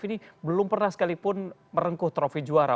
ini belum pernah sekalipun merengkuh trofi juara